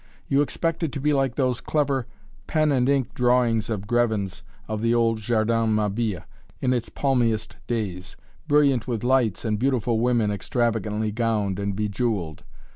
You expect it to be like those clever pen and ink drawings of Grevin's, of the old Jardin Mabille in its palmiest days, brilliant with lights and beautiful women extravagantly gowned and bejeweled.